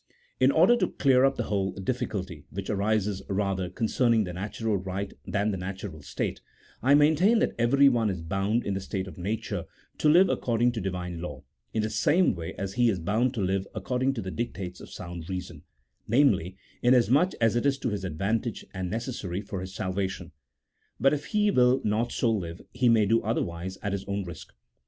211 In order to clear up the whole difficulty, which arises rather concerning the natural right than the natural state, I maintain that everyone is bound, in the state of nature, to live according to Divine law, in the same way as he is bound to live according to the dictates of sound reason; namely, inasmuch as it is to his advantage, and necessary for his salvation; but, if he will not so live, he may do otherwise at his own risk.